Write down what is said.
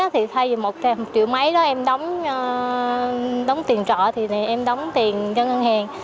thì thay vì một triệu máy đó em đóng tiền trọ thì em đóng tiền cho ngân hàng